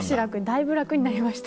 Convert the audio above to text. だいぶ楽になりました。